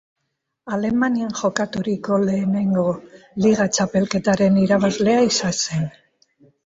Alemanian jokaturiko lehenengo Liga txapelketaren irabazlea izan zen.